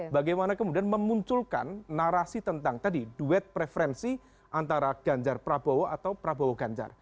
bagaimana kemudian memunculkan narasi tentang tadi duet preferensi antara ganjar prabowo atau prabowo ganjar